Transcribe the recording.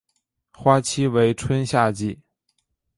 花期为春夏季。